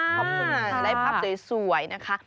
ขอบคุณค่ะได้ภาพสวยนะคะ